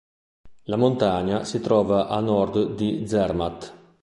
La montagna si trova a nord di Zermatt.